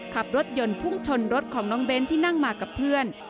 ขับรถยนต์พุ่งชนรถของน้องเบ้นที่นั่งมากับเพื่อน